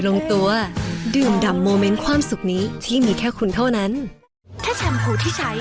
ใหม่ซอสคอร์ดี้ภูมิทราย